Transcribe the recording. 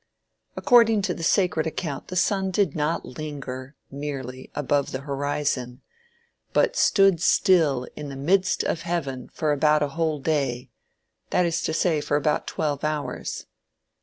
According to the sacred account the sun did not linger, merely, above the horizon, but stood still "in the midst of heaven for about a whole day," that is to say, for about twelve hours.